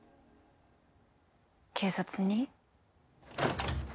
警察に？